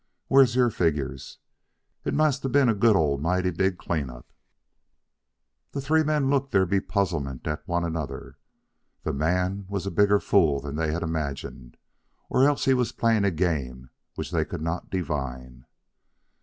Where's your figures? It must a' been a Goddle mighty big clean up." The three men looked their bepuzzlement at one another. The man was a bigger fool than they had imagined, or else he was playing a game which they could not divine.